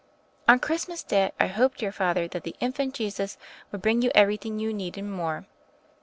"On Christmas day, I hope, dear Father, that the Infant Jesus will bring you everything you need and more.